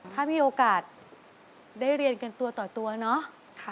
ถ้ามีโอกาสได้เรียนกันตัวต่อตัวเนาะ